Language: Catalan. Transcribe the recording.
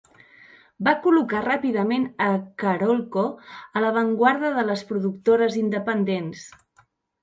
Va col·locar ràpidament a Carolco a l'avantguarda de les productores independents.